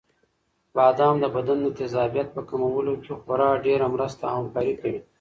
بادام د بدن د تېزابیت په کمولو کې خورا ډېره مرسته او همکاري کوي.